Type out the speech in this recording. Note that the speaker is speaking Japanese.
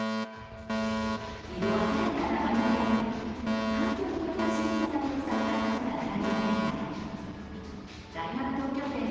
色鮮やかなマニキュアに、環境に優しい素材を使った服が並ぶ店内。